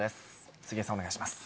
杉江さん、お願いします。